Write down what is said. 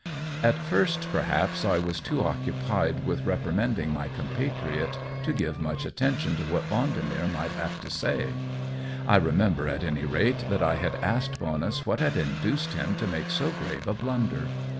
At first perhaps I was too occupied with reprimand ing my compatriot to give much attention to what Vendemer might have to say; I remember at any rate that I had asked Bonus what had induced him to make so grave a blunder.